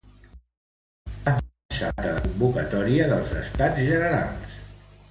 Avança la data de convocatòria dels Estats Generals.